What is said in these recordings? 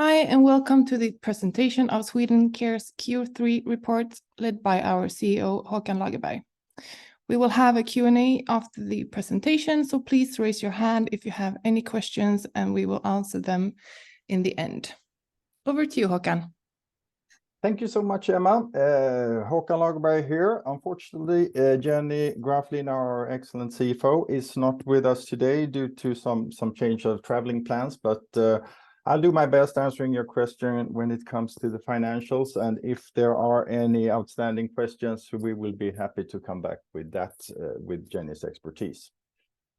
Hi, and welcome to the presentation of Swedencare's Q3 report, led by our CEO, Håkan Lagerberg. We will have a Q&A after the presentation, so please raise your hand if you have any questions, and we will answer them in the end. Over to you, Håkan. Thank you so much, Emma. Håkan Lagerberg here. Unfortunately, Jenny Graflind, our excellent CFO, is not with us today due to some change of traveling plans, but I'll do my best answering your question when it comes to the financials. And if there are any outstanding questions, we will be happy to come back with that, with Jenny's expertise.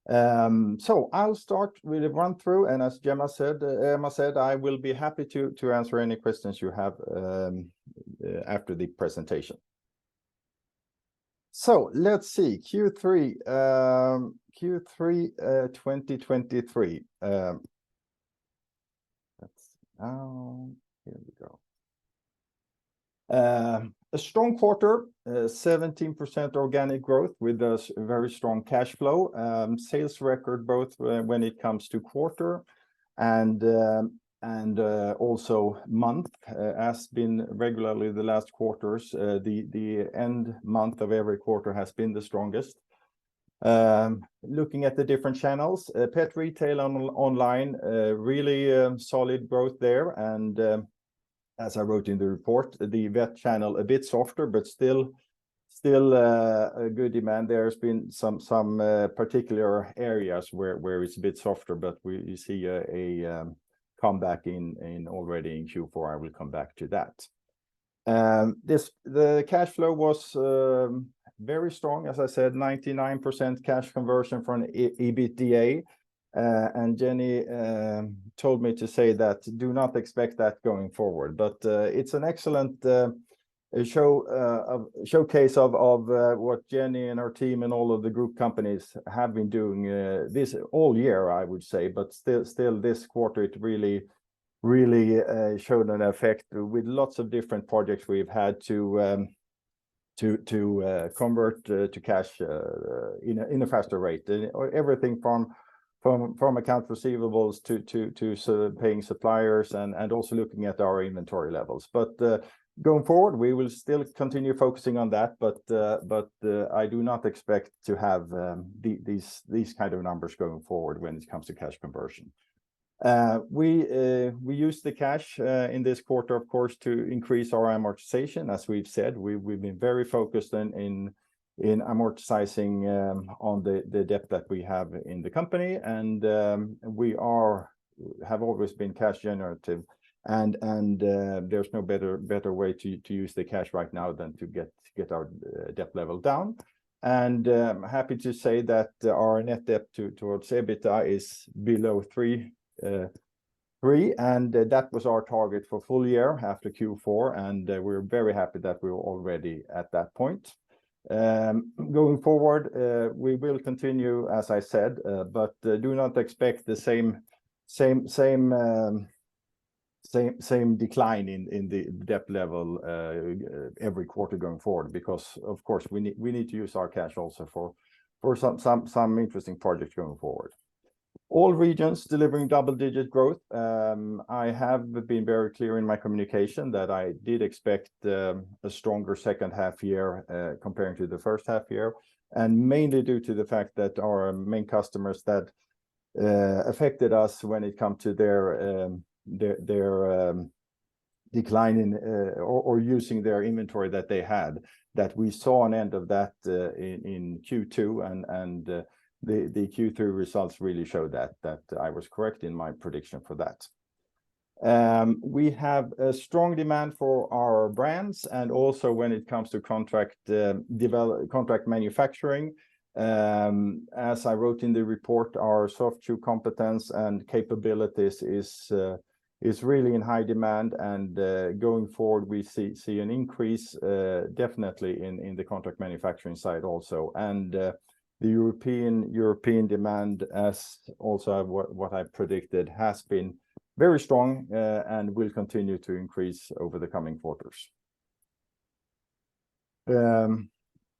So I'll start with a run-through, and as Emma said, I will be happy to answer any questions you have after the presentation. So let's see. Q3, Q3, 2023. Let's see now. Here we go. A strong quarter, 17% organic growth with a very strong cash flow. Sales record both when it comes to quarter and also month has been regularly the last quarters. The end month of every quarter has been the strongest. Looking at the different channels, Pet retail online, really solid growth there, and, as I wrote in the report, the Vet channel, a bit softer, but still a good demand. There's been some particular areas where it's a bit softer, but you see a comeback already in Q4. I will come back to that. The cash flow was very strong. As I said, 99% cash conversion from EBITDA, and Jenny told me to say that, "Do not expect that going forward," but it's an excellent showcase of what Jenny and her team and all of the group companies have been doing, this all year, I would say. But still, still, this quarter, it really, really, showed an effect with lots of different projects we've had to convert to cash in a faster rate. Everything from accounts receivable to paying suppliers and also looking at our inventory levels. But going forward, we will still continue focusing on that, but but I do not expect to have these, these kind of numbers going forward when it comes to cash conversion. We we used the cash in this quarter, of course, to increase our amortization. As we've said, we've been very focused in amortizing on the debt that we have in the company. We have always been cash generative, and there's no better way to use the cash right now than to get our debt level down. I'm happy to say that our net debt to EBITDA is below 3, and that was our target for full year after Q4, and we're very happy that we're already at that point. Going forward, we will continue, as I said, but do not expect the same decline in the debt level every quarter going forward, because of course, we need to use our cash also for some interesting projects going forward. All regions delivering double-digit growth. I have been very clear in my communication that I did expect a stronger second half year, comparing to the first half year, and mainly due to the fact that our main customers that affected us when it come to their decline in or using their inventory that they had, that we saw an end of that in Q2, and the Q3 results really showed that I was correct in my prediction for that. We have a strong demand for our brands, and also when it comes to contract manufacturing, as I wrote in the report, our soft chew competence and capabilities is really in high demand, and going forward, we see an increase definitely in the contract manufacturing side also. The European demand, as also what I predicted, has been very strong, and will continue to increase over the coming quarters.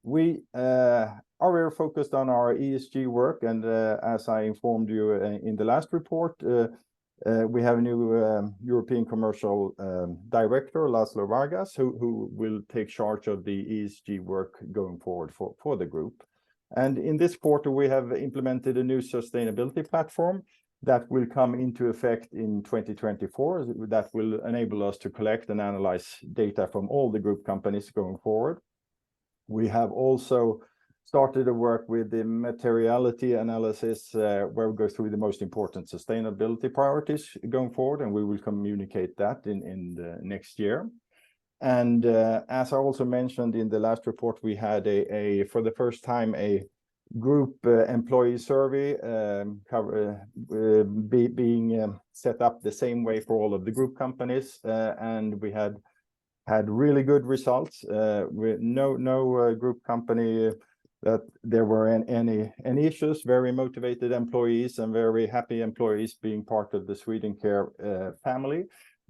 We are very focused on our ESG work, and, as I informed you in the last report, we have a new European Commercial Director, Laszlo Varga, who will take charge of the ESG work going forward for the group. In this quarter, we have implemented a new sustainability platform that will come into effect in 2024, that will enable us to collect and analyze data from all the group companies going forward. We have also started to work with the materiality analysis, where we go through the most important sustainability priorities going forward, and we will communicate that in the next year. As I also mentioned in the last report, we had, for the first time, a group employee survey being set up the same way for all of the group companies, and we had really good results, with no group company that there were any issues. Very motivated employees and very happy employees being part of the Swedencare family.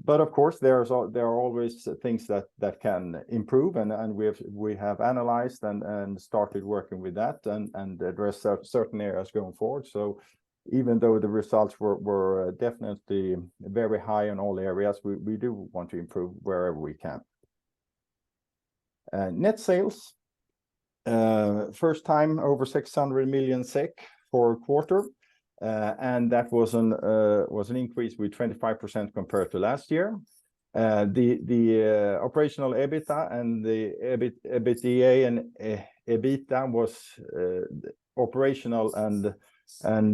But of course, there are always things that can improve, and we have analyzed and started working with that, and address certain areas going forward. So even though the results were definitely very high in all areas, we do want to improve wherever we can. Net sales first time over 600 million SEK for a quarter, and that was an increase with 25% compared to last year. The Operational EBITDA and the EBITDA and EBITA was operational and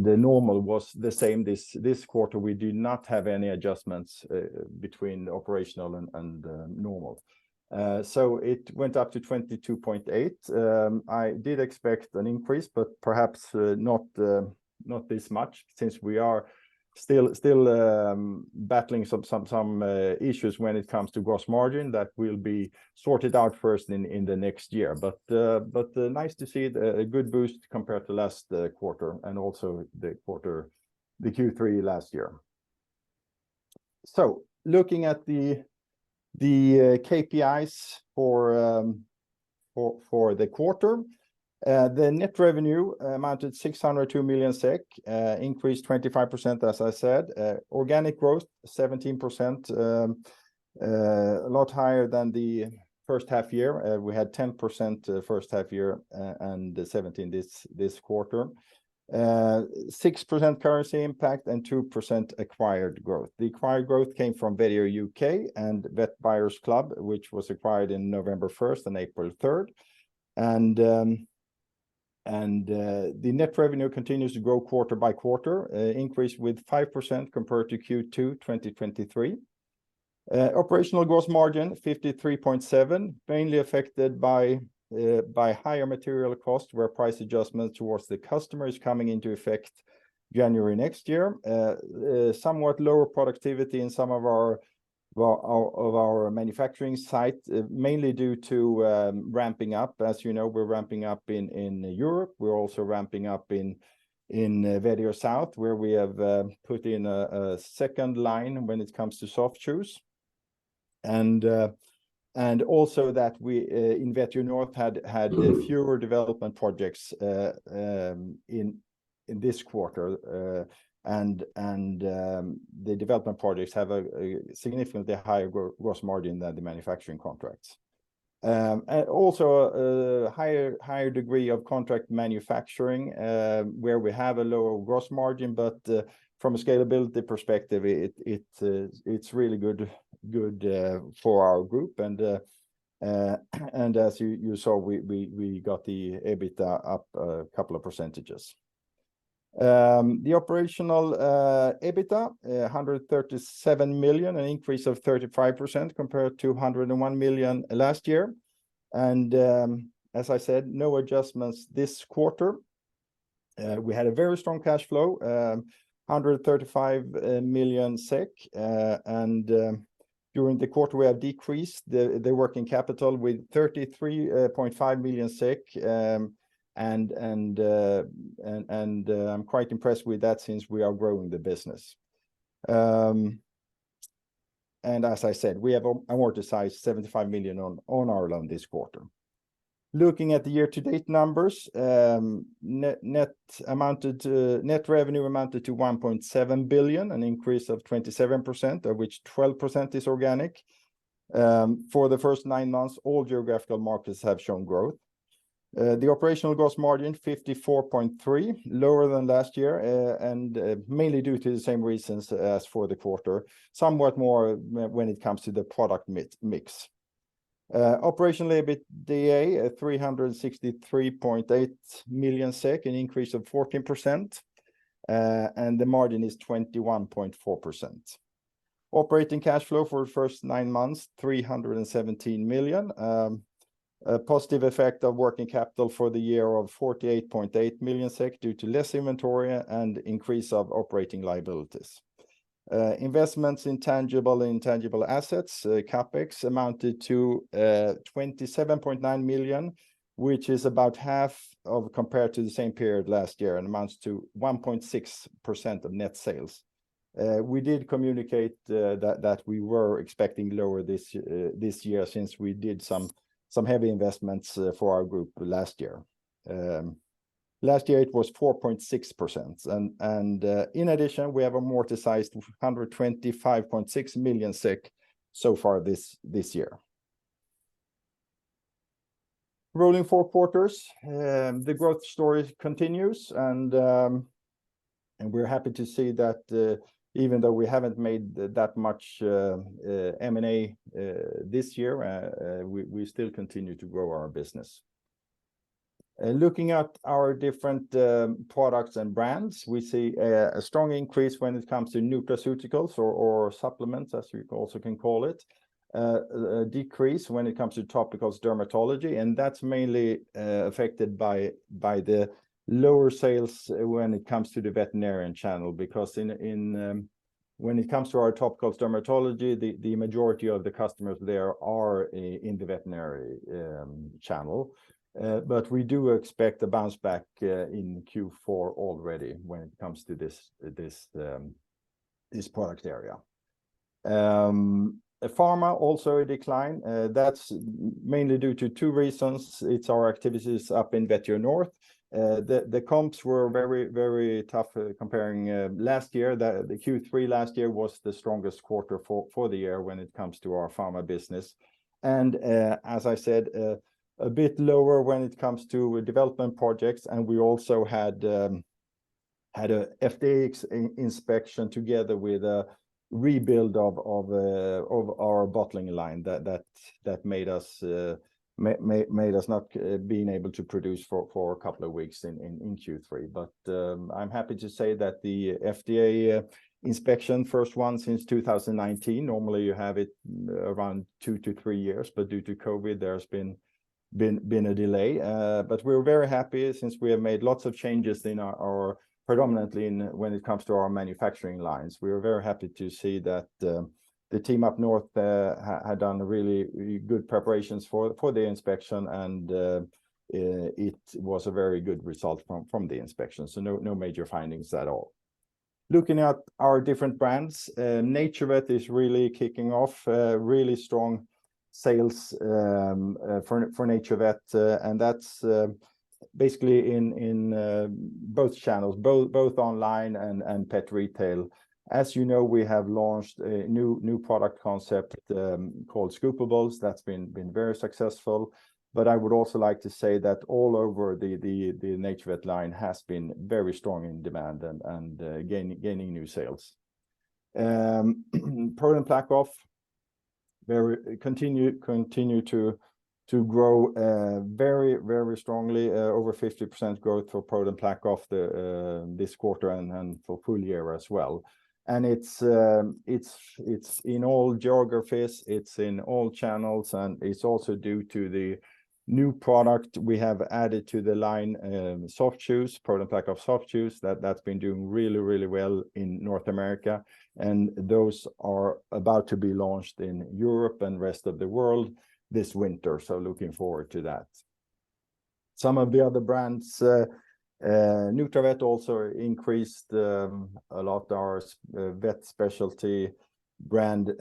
normal was the same this quarter. We do not have any adjustments between operational and normal. So it went up to 22.8. I did expect an increase, but perhaps not this much, since we are still battling some issues when it comes to gross margin that will be sorted out first in the next year. But nice to see a good boost compared to last quarter, and also the quarter, the Q3 last year. So looking at the KPIs for the quarter, the net revenue amounted to 602 million SEK, increased 25%, as I said. Organic growth 17%, a lot higher than the first half year. We had 10% first half year, and 17% this quarter. 6% currency impact and 2% acquired growth. The acquired growth came from Vetio UK and Vet Buyers Club, which was acquired in November first and April third. The net revenue continues to grow quarter by quarter, increase with 5% compared to Q2 2023. Operational gross margin 53.7, mainly affected by higher material costs, where price adjustments towards the customer is coming into effect January next year. Somewhat lower productivity in some of our manufacturing sites, well, mainly due to ramping up. As you know, we're ramping up in Europe. We're also ramping up in Vetio South, where we have put in a second line when it comes to soft chews. And also that we in Vetio North had fewer development projects in this quarter. The development projects have a significantly higher gross margin than the manufacturing contracts. And also a higher degree of contract manufacturing, where we have a lower gross margin, but from a scalability perspective, it's really good for our group. And as you saw, we got the EBITDA up a couple of percentages. The Operational EBITDA 137 million, an increase of 35% compared to 101 million last year. And as I said, no adjustments this quarter. We had a very strong cash flow 135 million SEK. And during the quarter, we have decreased the working capital with 33.5 million. And I'm quite impressed with that since we are growing the business. And as I said, we have amortized 75 million on our loan this quarter. Looking at the year-to-date numbers, net revenue amounted to 1.7 billion, an increase of 27%, of which 12% is organic. For the first nine months, all geographical markets have shown growth. The operational gross margin, 54.3, lower than last year, and mainly due to the same reasons as for the quarter, somewhat more when it comes to the product mix. Operational EBITDA, SEK 363.8 million, an increase of 14%, and the margin is 21.4%. Operating cash flow for the first nine months, 317 million. A positive effect of working capital for the year of 48.8 million SEK due to less inventory and increase of operating liabilities. Investments in tangible and intangible assets, CapEx, amounted to 27.9 million, which is about half of compared to the same period last year and amounts to 1.6% of net sales. We did communicate that we were expecting lower this year, since we did some heavy investments for our group last year. Last year it was 4.6%. In addition, we have amortized 125.6 million so far this year. Rolling four quarters, the growth story continues, and we're happy to see that, even though we haven't made that much M&A this year, we still continue to grow our business. Looking at our different products and brands, we see a strong increase when it comes to nutraceuticals or supplements, as you also can call it. A decrease when it comes to topical dermatology, and that's mainly affected by the lower sales when it comes to the veterinary channel, because when it comes to our topical dermatology, the majority of the customers there are in the veterinary channel. But we do expect a bounce back in Q4 already when it comes to this product area. Pharma, also a decline. That's mainly due to two reasons. It's our activities up in Vetio North. The comps were very, very tough comparing last year. The Q3 last year was the strongest quarter for the year when it comes to our pharma business. As I said, a bit lower when it comes to development projects, and we also had an FDA inspection together with a rebuild of our bottling line that made us not being able to produce for a couple of weeks in Q3. But I'm happy to say that the FDA inspection, first one since 2019, normally you have it around two to three years, but due to COVID, there's been a delay. But we're very happy since we have made lots of changes in our predominantly in when it comes to our manufacturing lines. We are very happy to see that the team up north had done really, really good preparations for the inspection, and it was a very good result from the inspection. So no major findings at all. Looking at our different brands, NaturVet is really kicking off really strong sales for NaturVet, and that's basically in both channels, both online and pet retail. As you know, we have launched a new product concept called Scoopables. That's been very successful. But I would also like to say that all over the NaturVet line has been very strong in demand and gaining new sales. ProDen PlaqueOff continues to grow very, very strongly, over 50% growth for ProDen PlaqueOff this quarter and for full year as well. And it's in all geographies, it's in all channels, and it's also due to the new product we have added to the line, soft chews, ProDen PlaqueOff soft chews, that's been doing really, really well in North America. And those are about to be launched in Europe and rest of the world this winter, so looking forward to that. Some of the other brands, Nutravet also increased a lot, our vet specialty brand,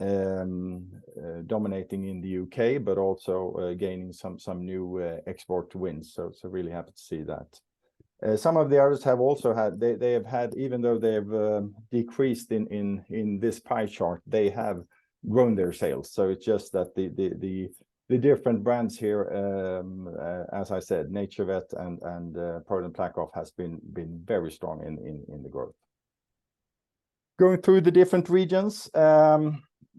dominating in the U.K., but also gaining some new export wins, so really happy to see that. Some of the others have also had... They have had, even though they've decreased in this pie chart, they have grown their sales. So it's just that the different brands here, as I said, NaturVet and ProDen PlaqueOff has been very strong in the growth. Going through the different regions,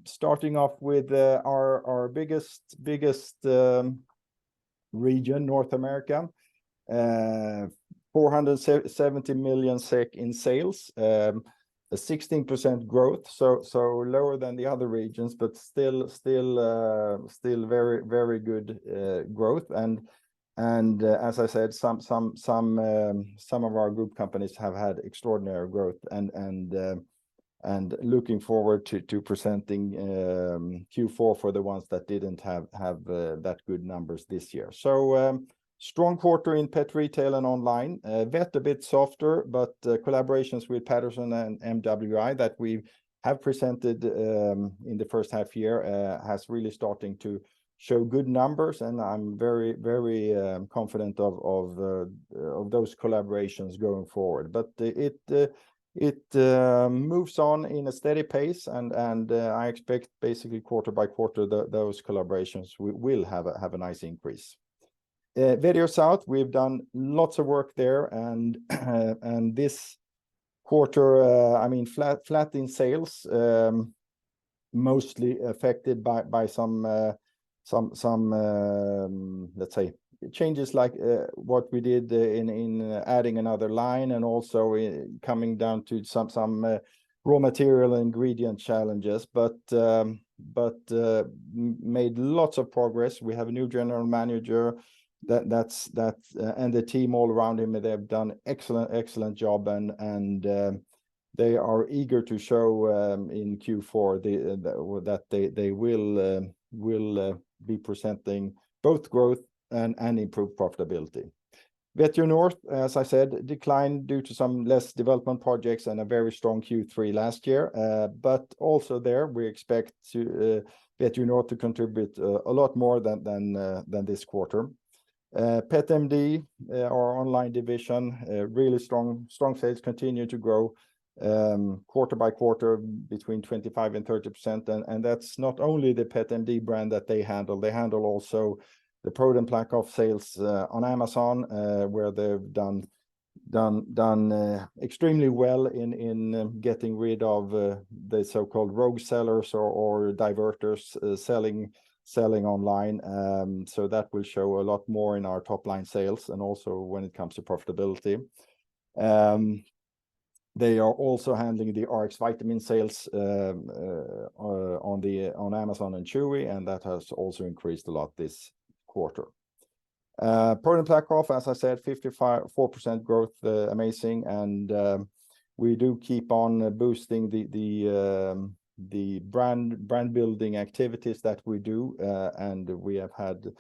starting off with our biggest region, North America, 470 million SEK in sales, a 16% growth, so lower than the other regions, but still very good growth. And as I said, some of our group companies have had extraordinary growth, and looking forward to presenting Q4 for the ones that didn't have that good numbers this year. So, strong quarter in pet retail and online. Vet, a bit softer, but, collaborations with Patterson and MWI that we have presented, in the first half year, has really starting to show good numbers, and I'm very, very, confident of, of, of those collaborations going forward. But it, it, moves on in a steady pace, and, and, I expect basically quarter by quarter, that those collaborations will, will have a, have a nice increase. VetriScience, we've done lots of work there, and, and this quarter, I mean, flat, flat in sales, mostly affected by, by some, some, some, let's say, changes like, what we did, in, in adding another line and also coming down to some, some, raw material ingredient challenges, but, but, made lots of progress. We have a new general manager and the team all around him, they have done excellent, excellent job, and they are eager to show in Q4 that they will be presenting both growth and improved profitability. Vetio North, as I said, declined due to some less development projects and a very strong Q3 last year. But also there, we expect Vetio North to contribute a lot more than this quarter. Pet MD, our online division, really strong. Strong sales continue to grow quarter by quarter between 25%-30%, and that's not only the Pet MD brand that they handle. They handle also the ProDen PlaqueOff sales on Amazon, where they've done extremely well in getting rid of the so-called rogue sellers or diverters selling online. So that will show a lot more in our top-line sales and also when it comes to profitability. They are also handling the Rx Vitamins sales on Amazon and Chewy, and that has also increased a lot this quarter. ProDen PlaqueOff, as I said, 55.4% growth, amazing, and we do keep on boosting the brand-building activities that we do. And we have had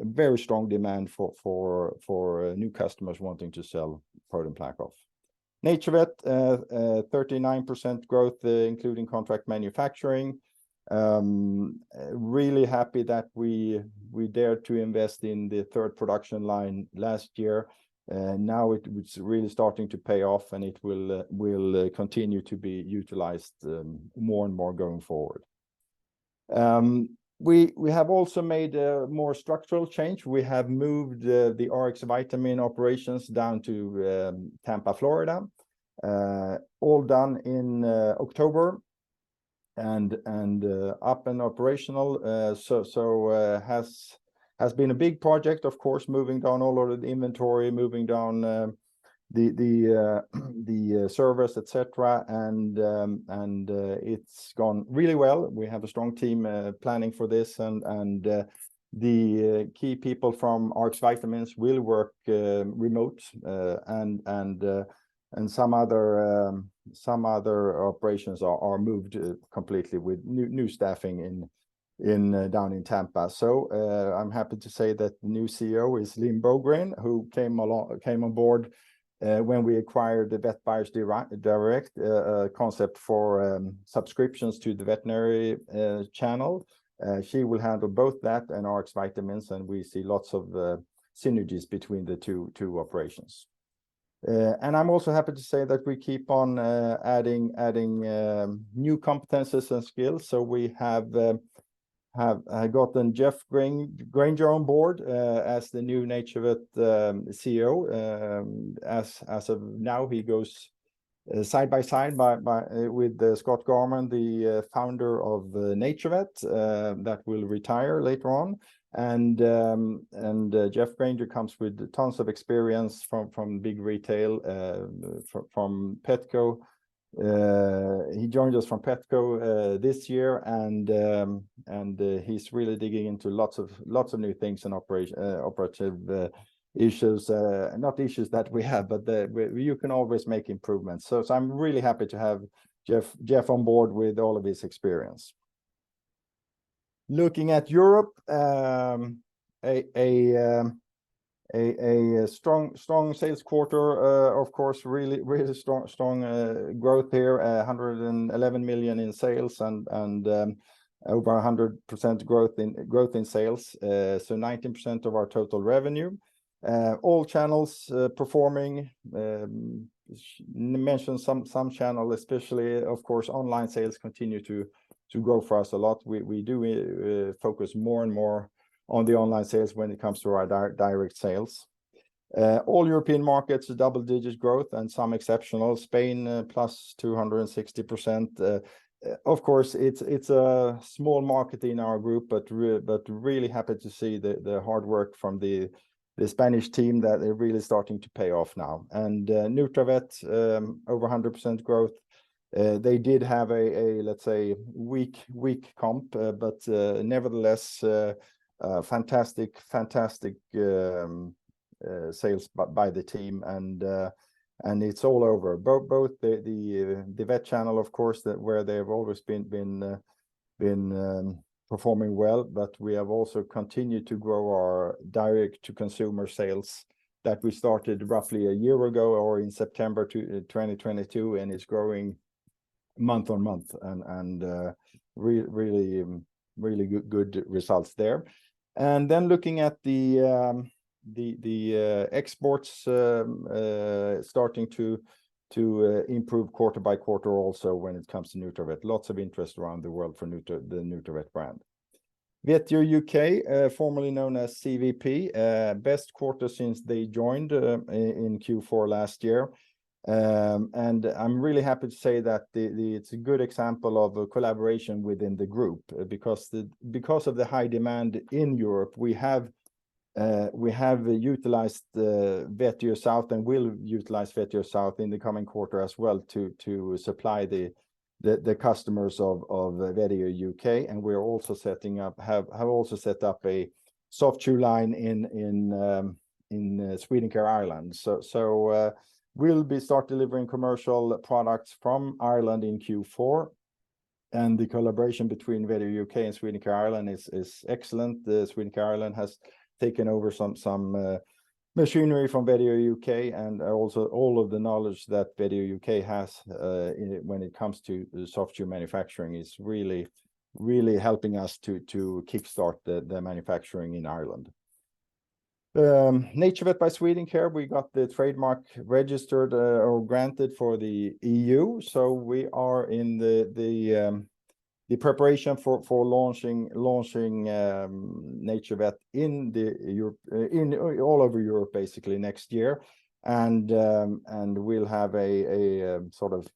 very strong demand for new customers wanting to sell ProDen PlaqueOff. NaturVet, 39% growth, including contract manufacturing. Really happy that we, we dared to invest in the third production line last year, and now it's really starting to pay off, and it will continue to be utilized more and more going forward. We, we have also made a more structural change. We have moved the Rx Vitamins operations down to Tampa, Florida. All done in October, and up and operational. So has been a big project, of course, moving down all of the inventory, moving down the servers, et cetera, and it's gone really well. We have a strong team planning for this, and the key people from Rx Vitamins will work remote. Some other operations are moved completely with new staffing down in Tampa. So, I'm happy to say that new CEO is Lynn Bogren, who came on board when we acquired the Vet Buyers Direct concept for subscriptions to the veterinary channel. She will handle both that and Rx Vitamins, and we see lots of synergies between the two operations. And I'm also happy to say that we keep on adding new competencies and skills. So we have gotten Jeff Granger on board as the new NaturVet CEO. As of now, he goes side by side with Scott Gorman, the Founder of NaturVet that will retire later on. And Jeff Granger comes with tons of experience from big retail, from Petco. He joined us from Petco this year, and he's really digging into lots of new things and operative issues, not issues that we have, but the... we—you can always make improvements. So I'm really happy to have Jeff on board with all of his experience. Looking at Europe, a strong sales quarter, of course, really strong growth there. A hundred and eleven million in sales and, and, over a hundred percent growth in, growth in sales, so 19% of our total revenue. All channels, performing, mention some, some channels, especially, of course, online sales continue to, to grow for us a lot. We, we do, focus more and more on the online sales when it comes to our dir- direct sales. All European markets, double-digit growth and some exceptional. Spain, plus two hundred and sixty percent. Of course, it's, it's a small market in our group, but re- but really happy to see the, the hard work from the, the Spanish team, that they're really starting to pay off now. And, NaturVet, over a hundred percent growth. They did have a, let's say, weak comp, but nevertheless, a fantastic sales by the team, and it's all over both the vet channel, of course, where they've always been performing well. But we have also continued to grow our direct-to-consumer sales that we started roughly a year ago or in September 2022, and it's growing month-on-month, and really good results there. And then looking at the exports, starting to improve quarter-by-quarter also when it comes to NaturVet. Lots of interest around the world for the NaturVet brand. Vetio UK, formerly known as CVP, best quarter since they joined in Q4 last year. And I'm really happy to say that it's a good example of a collaboration within the group. Because of the high demand in Europe, we have utilized Vetio South and will utilize Vetio South in the coming quarter as well, to supply the customers of Vetio UK. And we have also set up a soft chew line in Swedencare Ireland. So, we'll start delivering commercial products from Ireland in Q4, and the collaboration between Vetio UK and Swedencare Ireland is excellent. The Swedencare Ireland has taken over some machinery from Vetio UK, and also all of the knowledge that Vetio UK has when it comes to the soft chew manufacturing is really, really helping us to kickstart the manufacturing in Ireland. NaturVet by Swedencare, we got the trademark registered or granted for the EU, so we are in the preparation for launching NaturVet all over Europe, basically, next year. And we'll have a sort of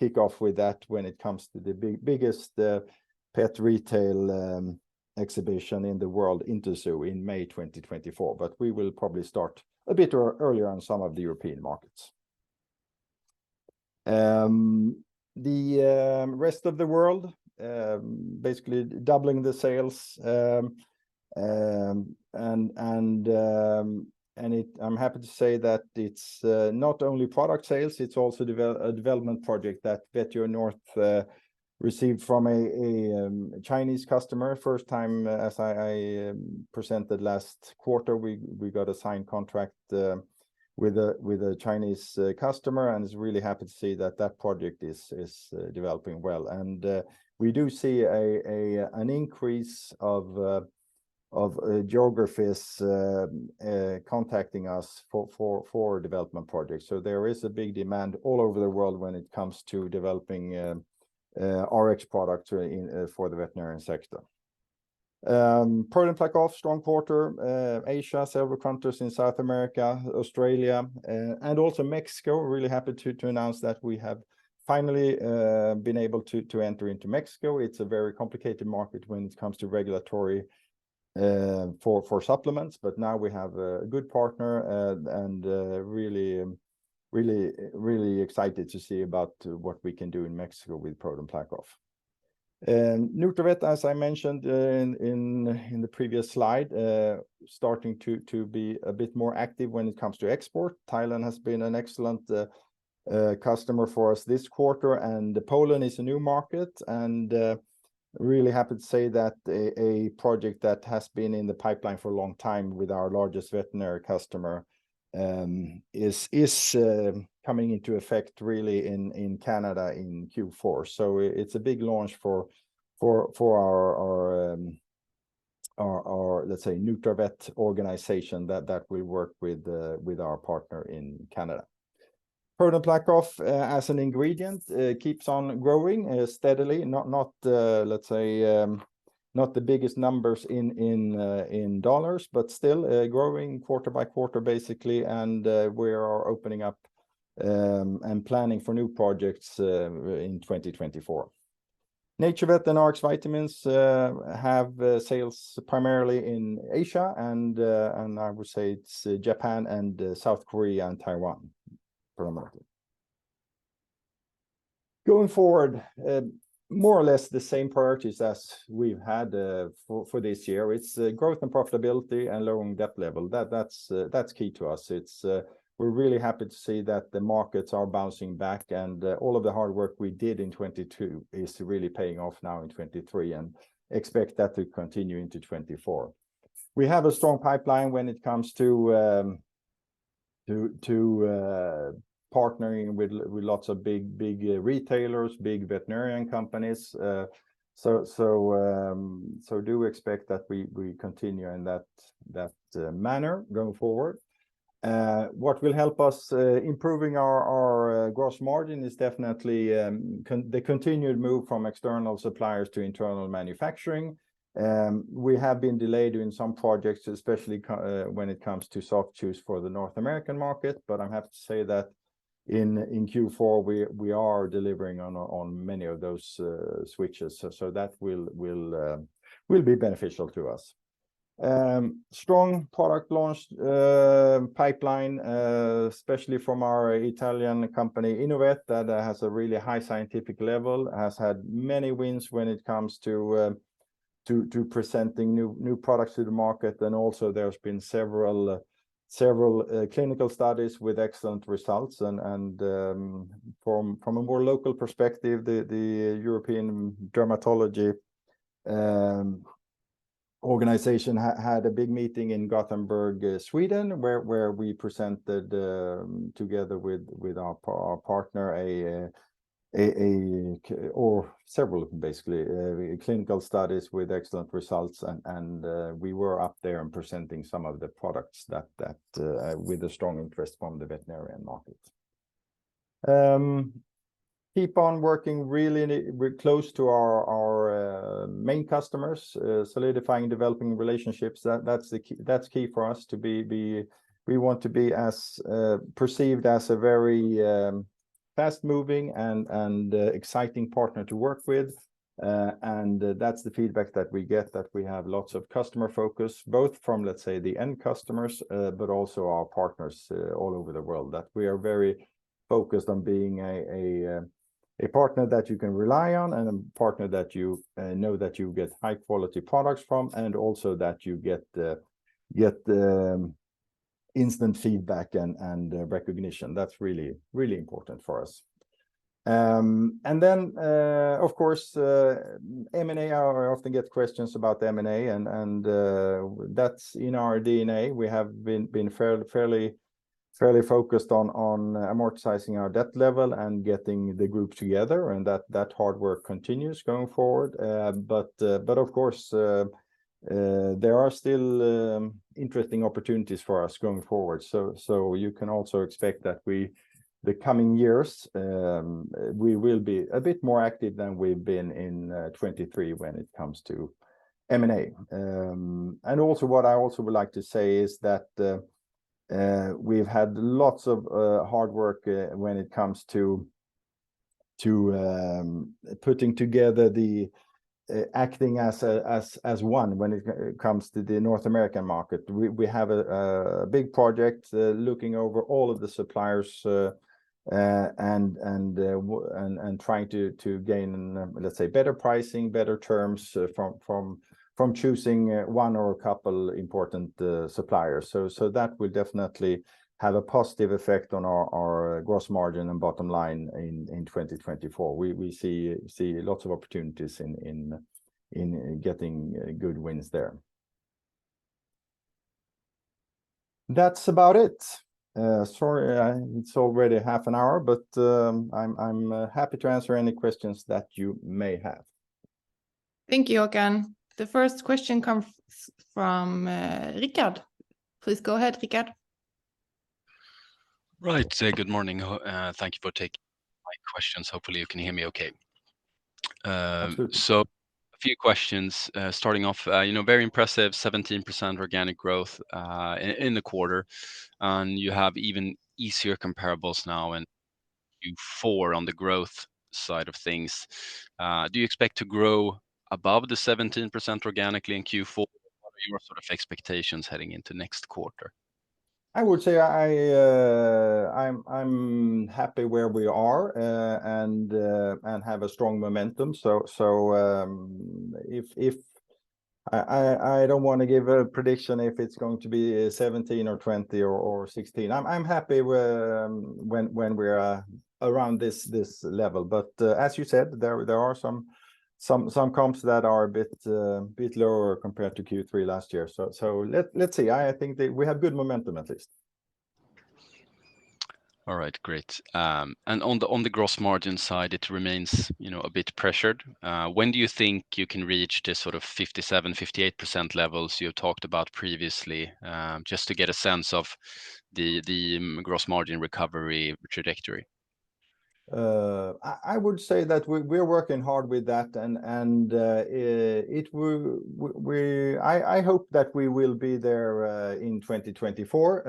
kickoff with that when it comes to the biggest pet retail exhibition in the world, Interzoo, in May 2024. But we will probably start a bit earlier on some of the European markets. The rest of the world, basically doubling the sales. I'm happy to say that it's not only product sales, it's also a development project that Vetio North received from a Chinese customer. First time, as I presented last quarter, we got a signed contract with a Chinese customer, and is really happy to see that that project is developing well. And we do see an increase of geographies contacting us for development projects. So there is a big demand all over the world when it comes to developing RX products for the veterinary sector. ProDen PlaqueOff, strong quarter. Asia, several countries in South America, Australia, and also Mexico. Really happy to announce that we have finally been able to enter into Mexico. It's a very complicated market when it comes to regulatory for supplements, but now we have a good partner, and really excited to see about what we can do in Mexico with ProDen PlaqueOff. And Nutravet, as I mentioned in the previous slide, starting to be a bit more active when it comes to export. Thailand has been an excellent customer for us this quarter, and Poland is a new market, and really happy to say that a project that has been in the pipeline for a long time with our largest veterinary customer is coming into effect really in Canada in Q4. So it's a big launch for our, let's say, NaturVet organization that will work with our partner in Canada. ProDen PlaqueOff as an ingredient keeps on growing steadily. Not, let's say, not the biggest numbers in dollars, but still growing quarter by quarter, basically, and we are opening up and planning for new projects in 2024. NaturVet and Rx Vitamins have sales primarily in Asia, and I would say it's Japan and South Korea and Taiwan, primarily. Going forward, more or less the same priorities as we've had for this year. It's growth and profitability and lowering debt level. That's key to us. It's... We're really happy to see that the markets are bouncing back, and all of the hard work we did in 2022 is really paying off now in 2023, and expect that to continue into 2024. We have a strong pipeline when it comes to partnering with lots of big retailers, big veterinarian companies. So do expect that we continue in that manner going forward. What will help us improving our gross margin is definitely the continued move from external suppliers to internal manufacturing. We have been delayed in some projects, especially when it comes to Soft chews for the North American market, but I have to say that in Q4, we are delivering on many of those switches. So that will be beneficial to us. Strong product launch pipeline, especially from our Italian company, Innovet, that has a really high scientific level, has had many wins when it comes to presenting new products to the market. And also, there's been several clinical studies with excellent results. And from a more local perspective, the European Dermatology organization had a big meeting in Gothenburg, Sweden, where we presented together with our partner or several, basically, clinical studies with excellent results. And we were up there and presenting some of the products that with a strong interest from the veterinary market. Keep on working really close to our main customers, solidifying, developing relationships. That's the key for us to be perceived as a very fast-moving and exciting partner to work with. And that's the feedback that we get, that we have lots of customer focus, both from, let's say, the end customers, but also our partners all over the world. That we are very focused on being a partner that you can rely on and a partner that you know that you get high-quality products from, and also that you get the instant feedback and recognition. That's really, really important for us. And then, of course, M&A. I often get questions about M&A, and that's in our DNA. We have been fairly focused on amortizing our debt level and getting the group together, and that hard work continues going forward. But of course, there are still interesting opportunities for us going forward. So you can also expect that the coming years, we will be a bit more active than we've been in 2023 when it comes to M&A. And also, what I also would like to say is that we've had lots of hard work when it comes to putting together, acting as one when it comes to the North American market. We have a big project looking over all of the suppliers and trying to gain, let's say, better pricing, better terms from choosing one or a couple important suppliers. So that will definitely have a positive effect on our gross margin and bottom line in 2024. We see lots of opportunities in getting good wins there. That's about it. Sorry, it's already half an hour, but I'm happy to answer any questions that you may have. Thank you, Håkan. The first question comes from Richard. Please go ahead, Richard. Right. Good morning, Håkan, thank you for taking my questions. Hopefully you can hear me okay. Absolutely. So a few questions, starting off, you know, very impressive 17% organic growth in the quarter, and you have even easier comparables now, and Q4 on the growth side of things. Do you expect to grow above the 17% organically in Q4? What are your sort of expectations heading into next quarter? I would say I'm happy where we are and have a strong momentum. So, if... I don't want to give a prediction if it's going to be 17 or 20 or 16. I'm happy when we're around this level, but as you said, there are some comps that are a bit lower compared to Q3 last year. So let's see. I think that we have good momentum at least. All right, great. And on the gross margin side, it remains, you know, a bit pressured. When do you think you can reach the sort of 57%-58% levels you talked about previously, just to get a sense of the gross margin recovery trajectory? I would say that we're working hard with that, and I hope that we will be there in 2024.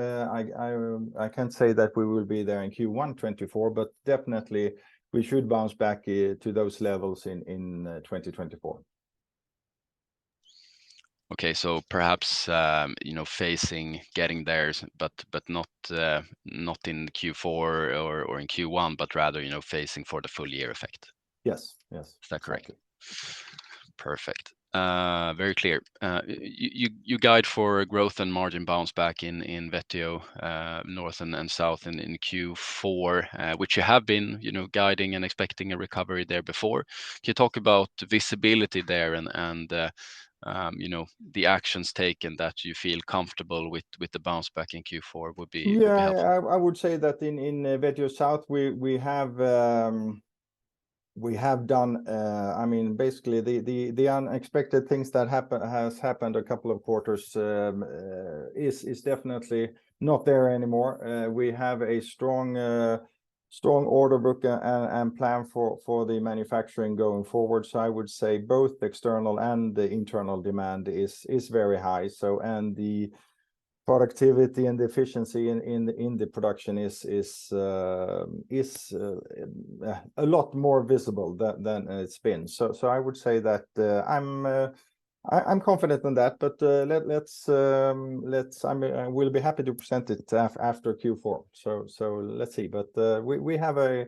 I can't say that we will be there in Q1 2024, but definitely we should bounce back to those levels in 2024. Okay, so perhaps, you know, facing getting there, but not in Q4 or in Q1, but rather, you know, facing for the full year effect? Yes. Yes. Is that correct? Perfect. Very clear. You guide for growth and margin bounce back in Vetio North and South in Q4, which you have been, you know, guiding and expecting a recovery there before. Can you talk about visibility there and you know, the actions taken that you feel comfortable with the bounce back in Q4 would be helpful. Yeah, I would say that in Vetio South, we have done... I mean, basically, the unexpected things that happen has happened a couple of quarters is definitely not there anymore. We have a strong order book and plan for the manufacturing going forward. So I would say both the external and the internal demand is very high. So, and the productivity and the efficiency in the production is a lot more visible than it's been. So I would say that I'm confident on that, but let's—I mean, I will be happy to present it after Q4. So let's see. But we have a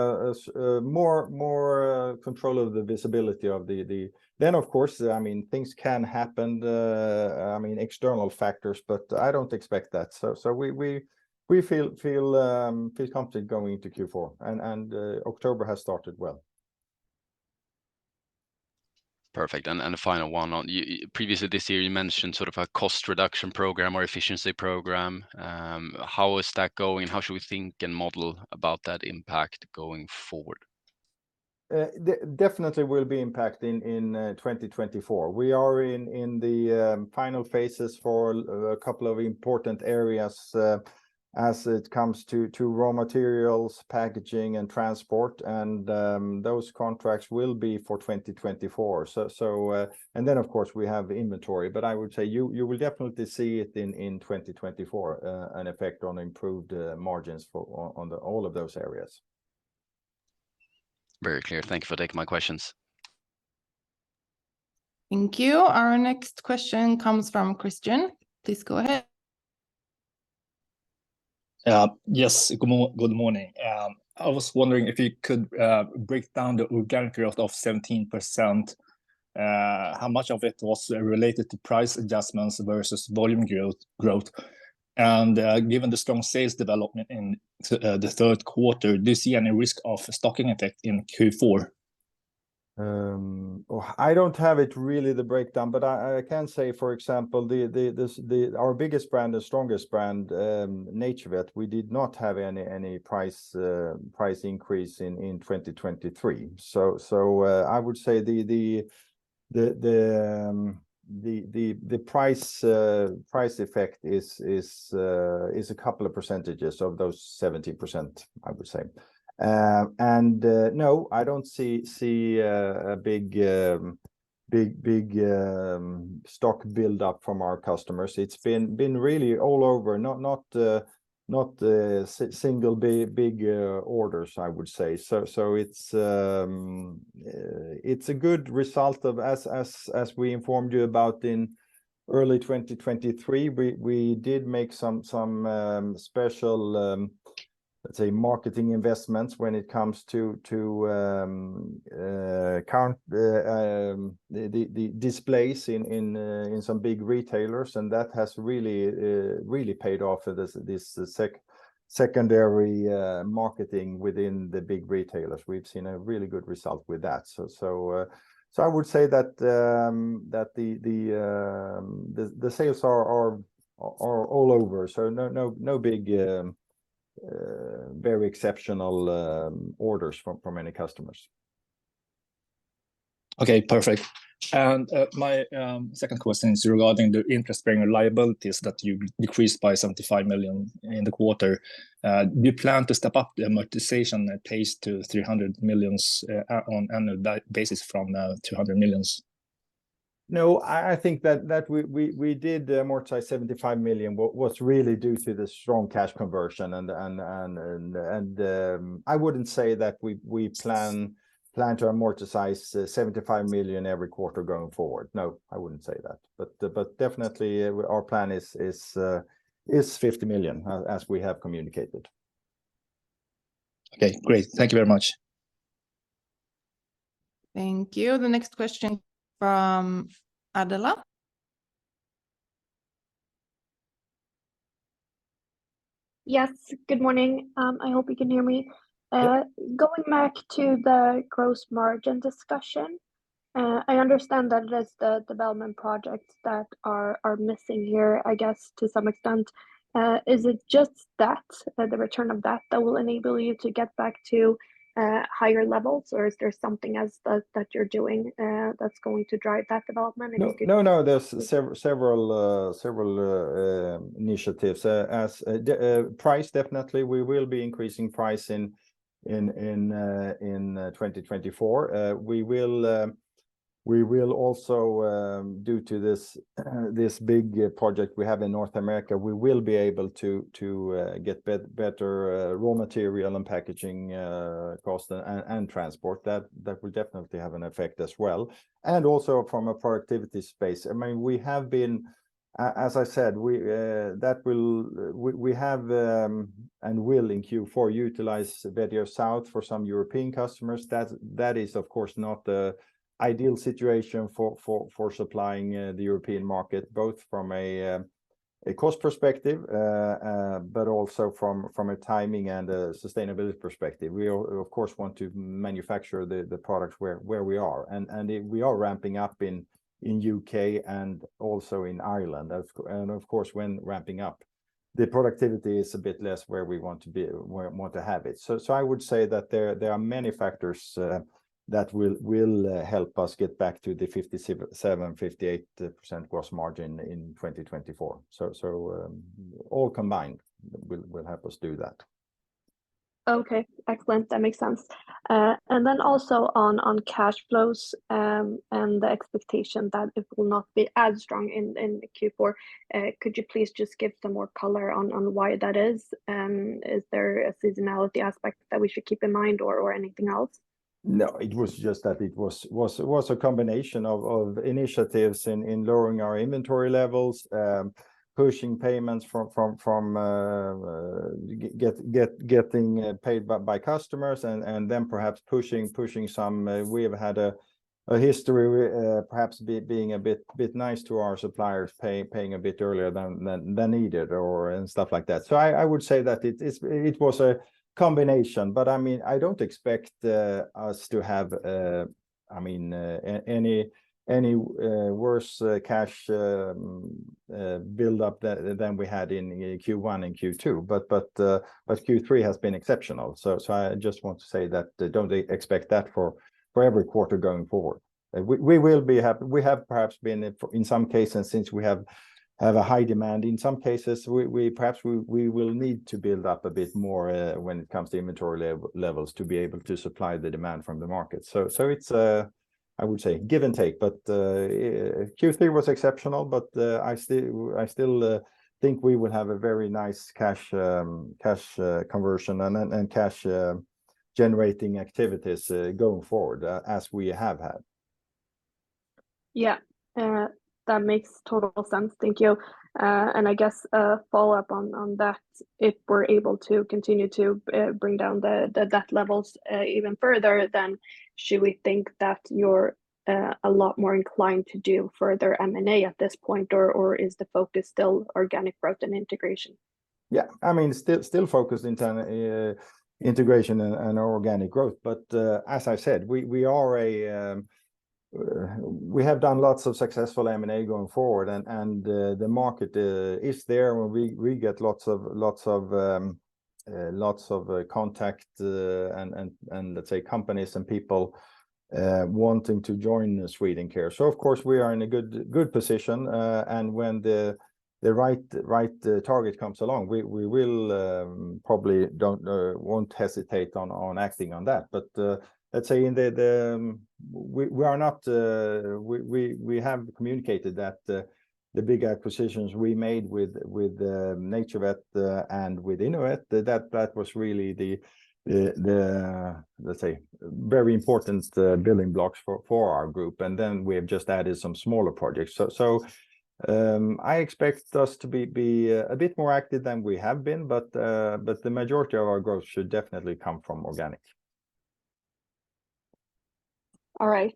more control of the visibility of the. Then of course, I mean, things can happen, I mean, external factors, but I don't expect that. So we feel confident going into Q4, and October has started well. Perfect. And a final one on previously this year, you mentioned sort of a cost reduction program or efficiency program. How is that going? How should we think and model about that impact going forward? Definitely will be impacting in 2024. We are in the final phases for a couple of important areas as it comes to raw materials, packaging, and transport, and those contracts will be for 2024. So, and then of course, we have inventory, but I would say you will definitely see it in 2024, an effect on improved margins on all of those areas. Very clear. Thank you for taking my questions. Thank you. Our next question comes from Christian. Please go ahead. Yes, good morning. I was wondering if you could break down the organic growth of 17%, how much of it was related to price adjustments versus volume growth? And, given the strong sales development in the third quarter, do you see any risk of stocking effect in Q4? I don't have it really the breakdown, but I can say, for example, our biggest brand, the strongest brand, NaturVet, we did not have any price increase in 2023. So, I would say the price effect is a couple of percentages of those 70%, I would say. And, no, I don't see a big stock build up from our customers. It's been really all over, not the single big orders, I would say. So it's a good result of as we informed you about in early 2023. We did make some special, let's say, marketing investments when it comes to the displays in some big retailers, and that has really paid off this secondary marketing within the big retailers. We've seen a really good result with that. So I would say that the sales are all over. So no big very exceptional orders from any customers. Okay, perfect. My second question is regarding the interest-bearing liabilities that you decreased by 75 million in the quarter. Do you plan to step up the amortization pace to 300 million on annual basis from 200 million? No, I think that we did amortize 75 million, was really due to the strong cash conversion. And I wouldn't say that we plan- Yes... plan to amortize 75 million every quarter going forward. No, I wouldn't say that. But definitely, our plan is 50 million, as we have communicated. Okay, great. Thank you very much. Thank you. The next question from Adela. Yes, good morning. I hope you can hear me. Yeah. Going back to the gross margin discussion, I understand that it is the development projects that are missing here, I guess, to some extent. Is it just that, the return of that will enable you to get back to higher levels? Or is there something else that you're doing that's going to drive that development? If you could- No, no, there's several initiatives. As price, definitely, we will be increasing price in 2024. We will also, due to this big project we have in North America, be able to get better raw material and packaging cost and transport. That will definitely have an effect as well, and also from a productivity space. I mean, we have been. As I said, we have and will in Q4 utilize Vetio South for some European customers. That is, of course, not the ideal situation for supplying the European market, both from a cost perspective, but also from a timing and a sustainability perspective. We, of course, want to manufacture the products where we are. And we are ramping up in UK and also in Ireland. That's. And of course, when ramping up, the productivity is a bit less where we want to be, we want to have it. So I would say that there are many factors that will help us get back to the 57%-58% gross margin in 2024. So all combined will help us do that. Okay, excellent. That makes sense. And then also on cash flows, and the expectation that it will not be as strong in Q4, could you please just give some more color on why that is? Is there a seasonality aspect that we should keep in mind or anything else? No, it was just that it was a combination of initiatives in lowering our inventory levels, pushing payments from getting paid by customers, and then perhaps pushing some... We have had a history, perhaps being a bit nice to our suppliers, paying a bit earlier than needed or stuff like that. So I would say that it was a combination, but I mean, I don't expect us to have, I mean, any worse cash build-up than we had in Q1 and Q2. But Q3 has been exceptional. So I just want to say that don't expect that for every quarter going forward. We have perhaps been, in some cases, since we have a high demand, in some cases, we perhaps will need to build up a bit more when it comes to inventory levels to be able to supply the demand from the market. So it's, I would say, give and take, but Q3 was exceptional, but I still think we will have a very nice cash conversion and cash generating activities going forward, as we have had. Yeah. That makes total sense. Thank you. And I guess, follow up on that, if we're able to continue to bring down the levels even further, then should we think that you're a lot more inclined to do further M&A at this point, or is the focus still organic growth and integration? Yeah. I mean, still focused in terms of integration and organic growth, but as I said, we have done lots of successful M&A going forward, and the market is there, and we get lots of contact, and let's say companies and people wanting to join Swedencare. So of course, we are in a good position, and when the right target comes along, we will probably won't hesitate on acting on that. But, let's say we have communicated that the big acquisitions we made with NaturVet and with Innovet, that was really, let's say, very important building blocks for our group, and then we have just added some smaller projects. I expect us to be a bit more active than we have been, but the majority of our growth should definitely come from organic. All right.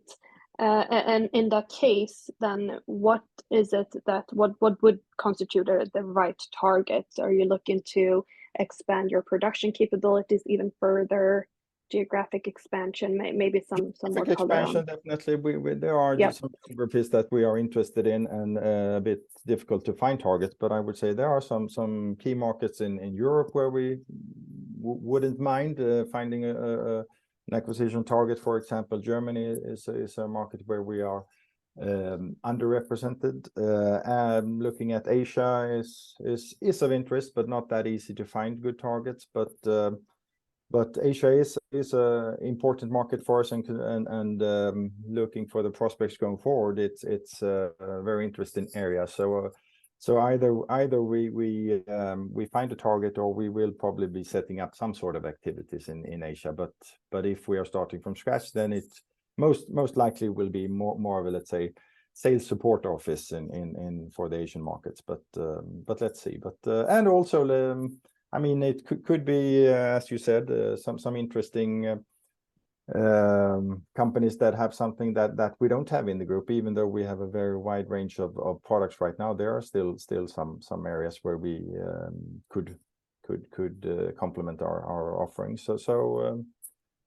And in that case, then what is it that... What would constitute the right target? Are you looking to expand your production capabilities even further, geographic expansion, maybe some more color? Expansion, definitely. Yeah. There are some geographies that we are interested in, and a bit difficult to find targets, but I would say there are some key markets in Europe where we wouldn't mind finding an acquisition target. For example, Germany is a market where we are underrepresented. Looking at Asia is of interest, but not that easy to find good targets. But Asia is an important market for us, and looking for the prospects going forward, it's a very interesting area. So either we find a target, or we will probably be setting up some sort of activities in Asia. But if we are starting from scratch, then it's most likely will be more of a, let's say, sales support office in for the Asian markets. But let's see. And also, I mean, it could be, as you said, some interesting companies that have something that we don't have in the group. Even though we have a very wide range of products right now, there are still some areas where we could complement our offerings. So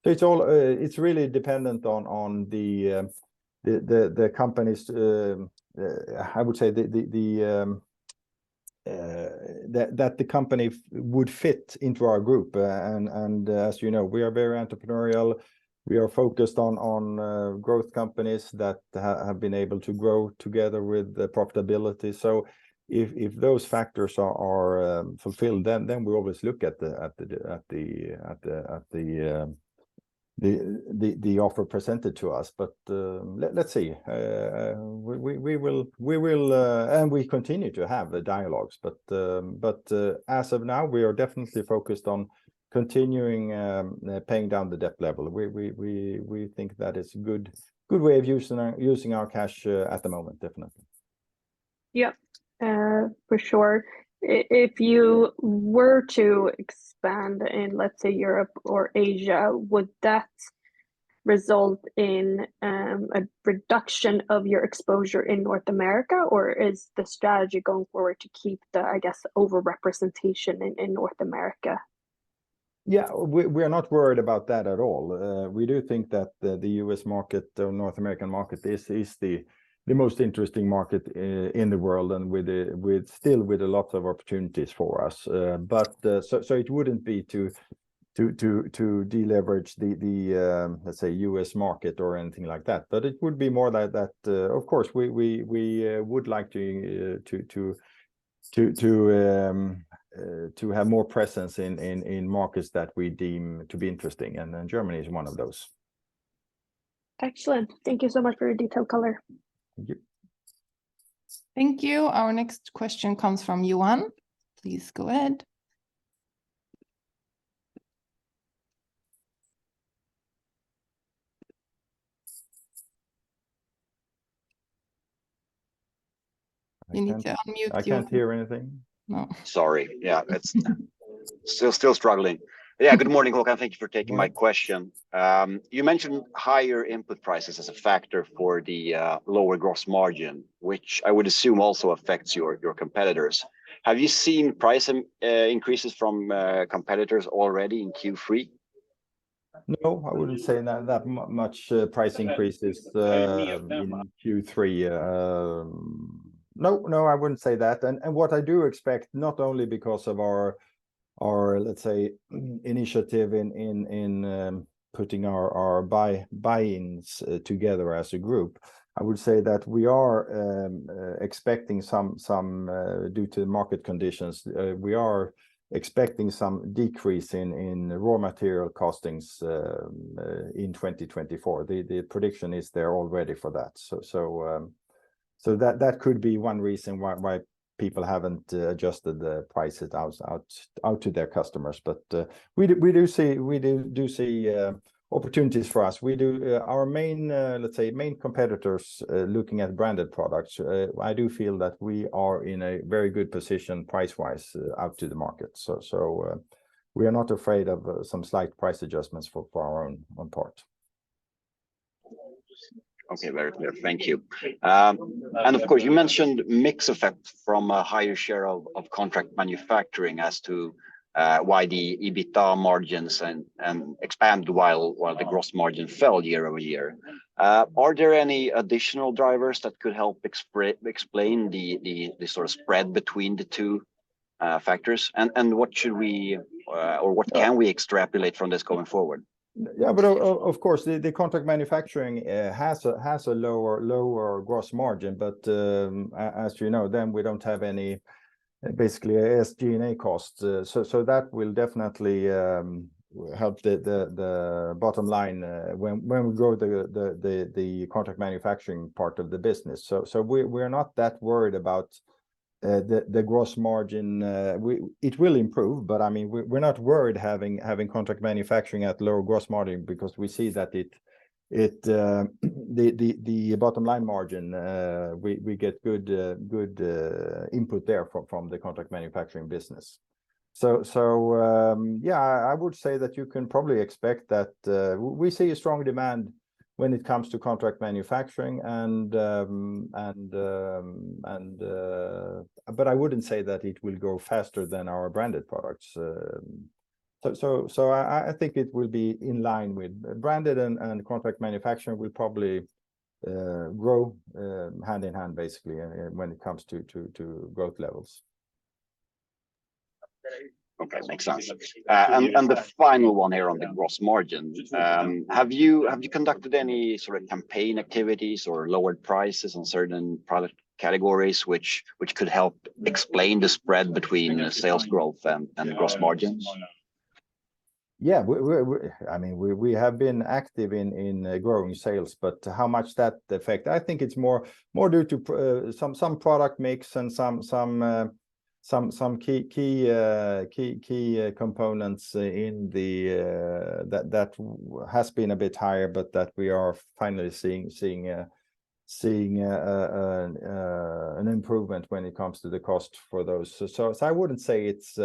it's all, it's really dependent on the company's, I would say, that the company would fit into our group. And as you know, we are very entrepreneurial. We are focused on growth companies that have been able to grow together with the profitability. So if those factors are fulfilled, then we always look at the offer presented to us. But let's see. We will... And we continue to have the dialogues, but as of now, we are definitely focused on continuing paying down the debt level. We think that is good way of using our cash at the moment, definitely. Yeah, for sure. If you were to expand in, let's say, Europe or Asia, would that result in a reduction of your exposure in North America, or is the strategy going forward to keep the, I guess, over-representation in North America? Yeah, we are not worried about that at all. We do think that the U.S. market, the North American market, is the most interesting market in the world, and with still a lot of opportunities for us. So it wouldn't be to de-leverage the, let's say, U.S. market or anything like that. But it would be more like that. Of course, we would like to have more presence in markets that we deem to be interesting, and then Germany is one of those. Excellent. Thank you so much for your detailed color. Thank you. Thank you. Our next question comes from Johan. Please go ahead. You need to unmute you. I can't hear anything. No. Sorry. Yeah, it's still struggling. Yeah, good morning, Håkan. Thank you for taking my question. Mm. You mentioned higher input prices as a factor for the lower gross margin, which I would assume also affects your competitors. Have you seen price increases from competitors already in Q3? No, I wouldn't say that much price increase is In Q3... Q3. No, no, I wouldn't say that. And what I do expect, not only because of our M&A initiative in putting our buy-ins together as a group, I would say that we are expecting some. Due to market conditions, we are expecting some decrease in raw material costings in 2024. The prediction is there already for that. So that could be one reason why people haven't adjusted the prices out to their customers. But we do see opportunities for us. We do. Our main, let's say, main competitors, looking at branded products, I do feel that we are in a very good position price-wise out to the market. So, we are not afraid of some slight price adjustments for our own part. Okay, very clear. Thank you. And of course, you mentioned mix effect from a higher share of contract manufacturing as to why the EBITDA margins and expand while the gross margin fell year-over-year. Are there any additional drivers that could help explain the sort of spread between the two factors? And what should we, or what can we extrapolate from this going forward? Yeah, but of course, the contract manufacturing has a lower gross margin. But, as you know, then we don't have any, basically, SG&A costs. So, that will definitely help the bottom line when we grow the contract manufacturing part of the business. So, we're not that worried about the gross margin. It will improve, but I mean, we're not worried having contract manufacturing at lower gross margin because we see that it, the bottom line margin, we get good input there from the contract manufacturing business. So, yeah, I would say that you can probably expect that. We see a strong demand when it comes to contract manufacturing. But I wouldn't say that it will grow faster than our branded products. So I think it will be in line with branded and contract manufacturing will probably grow hand-in-hand, basically, when it comes to growth levels. Okay, makes sense. Yeah. The final one here on the gross margin. Yeah. Have you conducted any sort of campaign activities or lowered prices on certain product categories, which could help explain the spread between sales growth and the gross margins? Yeah. I mean, we have been active in growing sales, but how much that affect? I think it's more due to some product mix and some key components in the... That has been a bit higher, but that we are finally seeing an improvement when it comes to the cost for those. So I wouldn't say it's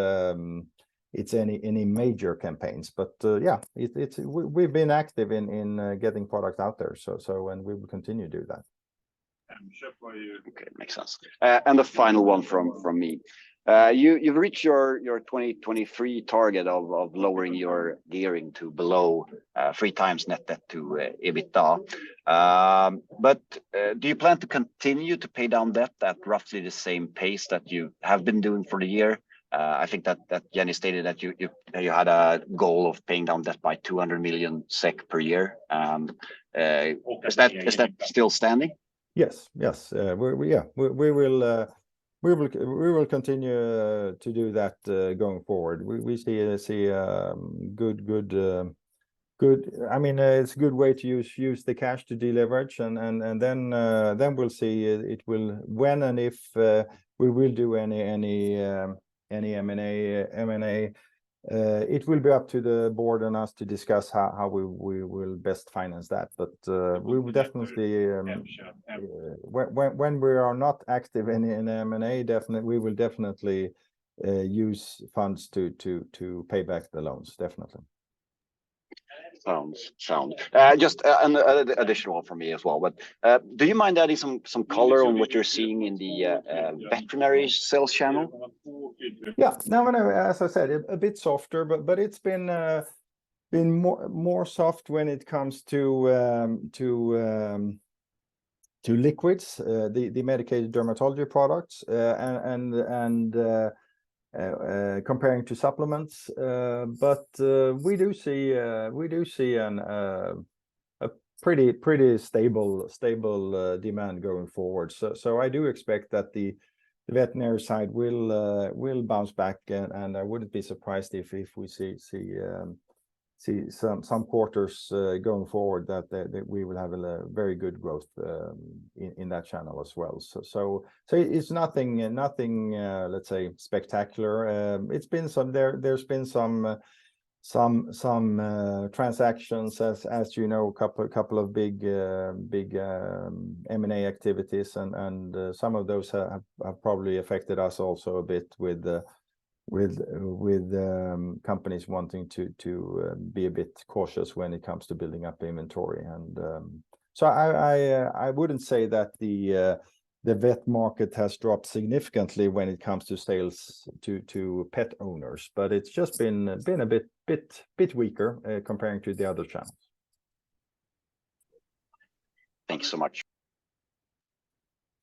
any major campaigns, but yeah, we've been active in getting products out there, so and we will continue to do that. And sure for you. Okay, makes sense. And the final one from me. You've reached your 2023 target of lowering your gearing to below 3x net debt to EBITDA. But do you plan to continue to pay down debt at roughly the same pace that you have been doing for the year? I think that Jenny stated that you had a goal of paying down debt by 200 million SEK per year. Is that still standing? Yes, yes. We will continue to do that going forward. We see good... I mean, it's a good way to use the cash to deleverage, and then we'll see. When and if we will do any M&A, it will be up to the board and us to discuss how we will best finance that. But we will definitely. Yeah, sure. When we are not active in M&A, definitely, we will definitely use funds to pay back the loans. Definitely. Just an additional one for me as well. But do you mind adding some color on what you're seeing in the veterinary sales channel? Yeah. No, as I said, a bit softer, but it's been more soft when it comes to liquids, the medicated dermatology products, and comparing to supplements. But we do see a pretty stable demand going forward. So I do expect that the veterinary side will bounce back, and I wouldn't be surprised if we see some quarters going forward that we will have a very good growth in that channel as well. So it's nothing, let's say, spectacular. It's been some... There, there's been some transactions, as you know, a couple of big M&A activities, and some of those have probably affected us also a bit with the companies wanting to be a bit cautious when it comes to building up inventory. And, so I wouldn't say that the vet market has dropped significantly when it comes to sales to pet owners, but it's just been a bit weaker, comparing to the other channels. Thank you so much.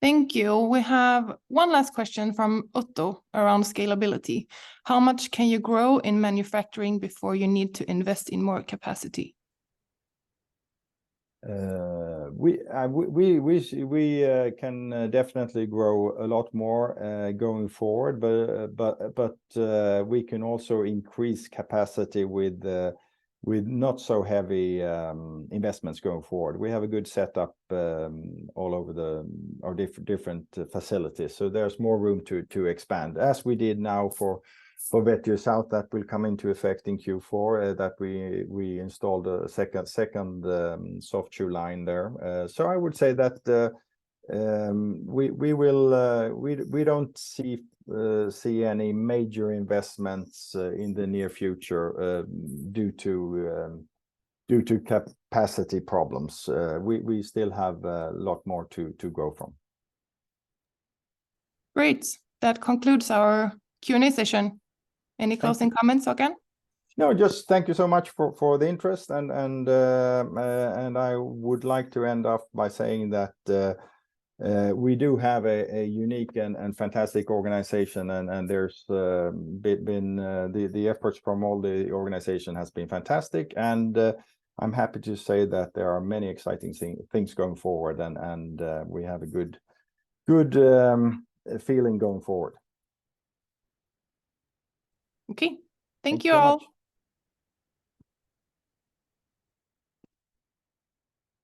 Thank you. We have one last question from Otto around scalability. How much can you grow in manufacturing before you need to invest in more capacity? We can definitely grow a lot more going forward, but we can also increase capacity with not so heavy investments going forward. We have a good setup all over our different facilities, so there's more room to expand, as we did now for Vetri South. That will come into effect in Q4 that we installed a second soft-chew line there. So I would say that we don't see any major investments in the near future due to capacity problems. We still have a lot more to grow from. Great! That concludes our Q&A session. Thank you. Any closing comments, Håkan? No, just thank you so much for the interest, and I would like to end off by saying that we do have a unique and fantastic organization, and there's been... The efforts from all the organization has been fantastic, and I'm happy to say that there are many exciting things going forward, and we have a good feeling going forward. Okay. Thank you, all.